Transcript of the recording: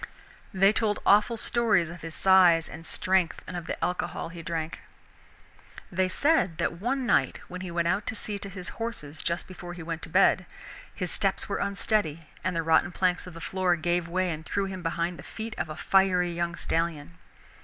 They told awful stories of his size and strength and of the alcohol he drank. They said that one night, when he went out to see to his horses just before he went to bed, his steps were unsteady and the rotten planks of the floor gave way and threw him behind the feet of a fiery young stallion.